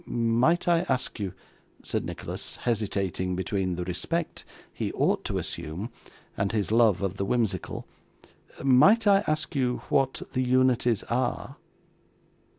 'Might I ask you,' said Nicholas, hesitating between the respect he ought to assume, and his love of the whimsical, 'might I ask you what the unities are?